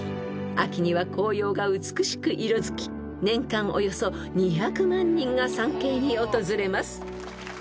［秋には紅葉が美しく色づき年間およそ２００万人が参詣に訪れます］